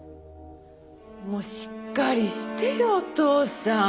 もうしっかりしてよお父さん。